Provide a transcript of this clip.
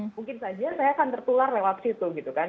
mungkin saja saya akan tertular lewat situ gitu kan